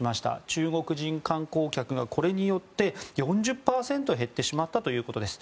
中国人観光客がこれによって４０％も減ってしまったということです。